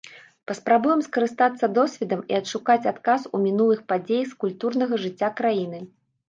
Паспрабуем скарыстацца досведам і адшукаць адказ у мінулых падзеях з культурнага жыцця краіны.